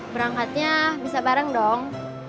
berangkatnya bisa bareng dong